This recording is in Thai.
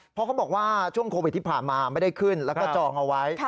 เพราะเขาบอกว่าช่วงโควิดที่ผ่านมาไม่ได้ขึ้นแล้วก็จองเอาไว้